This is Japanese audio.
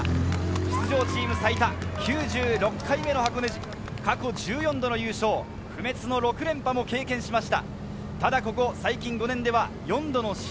出場チーム最多９６回目の箱根路、過去１４度の優勝、不滅の６連覇も経験しました。